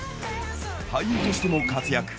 俳優としても活躍。